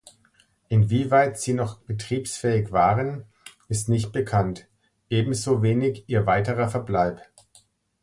Inwieweit sie noch betriebsfähig waren, ist nicht bekannt, ebenso wenig ihr weiterer Verbleib.